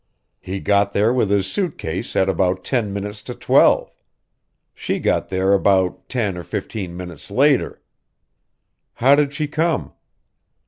He got there with his suit case at about ten minutes to twelve. She got there about ten or fifteen minutes later " "How did she come?"